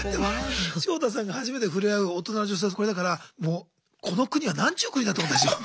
ショウタさんが初めて触れ合う大人の女性がこれだからもうこの国はなんちゅう国だと思ったでしょ。